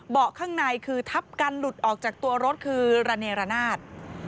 ข้างในคือทับกันหลุดออกจากตัวรถคือระเนรนาศ